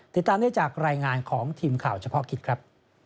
ติดตามได้จากรายงานของทีมข่าวเฉพาะกิจครับ